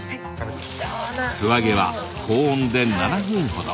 素揚げは高温で７分ほど。